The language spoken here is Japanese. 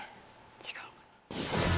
違うかな？